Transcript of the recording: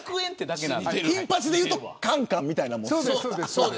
金八でいうとカンカンみたいなもの。